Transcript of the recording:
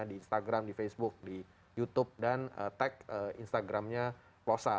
di instagram di facebook di youtube dan tag instagramnya plosa